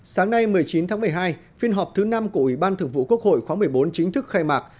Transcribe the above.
sáng nay một mươi chín tháng một mươi hai phiên họp thứ năm của ủy ban thượng vụ quốc hội khóa một mươi bốn chính thức khai mạc